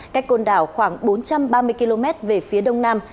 cách côn đảo khoảng bốn trăm ba mươi km về phía đông nam